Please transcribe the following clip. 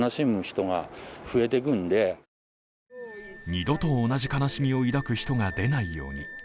二度と同じ悲しみを抱く人が出ないように。